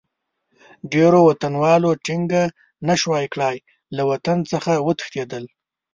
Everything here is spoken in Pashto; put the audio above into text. ډېرو وطنوالو ټینګه نه شوای کړای، له وطن څخه وتښتېدل.